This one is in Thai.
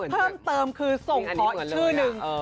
เพิ่มเติมคือส่งขออีกชื่อนึง